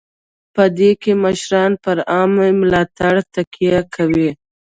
په دې کې مشران پر عامه ملاتړ تکیه کوي.